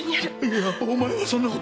いやお前はそんな事。